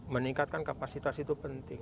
meningkatkan kapasitas itu penting